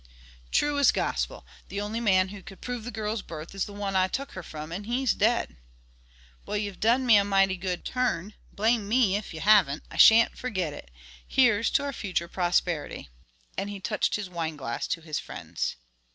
"True as gospel. The only man who could prove the girl's birth is the one I took her from, and he's dead." "Well, you've done me a mighty good turn, blame me if you have'nt. I shan't forget it. Here's to our future prosperity," and he touched his wineglass to his friend's.